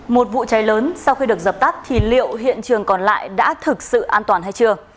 một vụ cháy lớn sau khi được dập tắt thì liệu hiện trường còn lại đã thực sự an toàn hay chưa